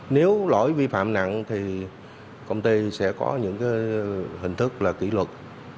nếu lỗi vi phạm nặng thì công ty sẽ có những hình thức là kỷ luật